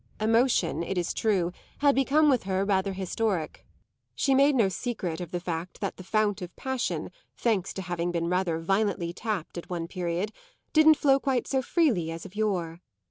Emotion, it is true, had become with her rather historic; she made no secret of the fact that the fount of passion, thanks to having been rather violently tapped at one period, didn't flow quite so freely as of yore.